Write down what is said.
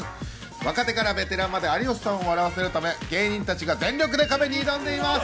若手からベテランまで有吉さんを笑わせるため、芸人たちが全力で壁に挑んでいます。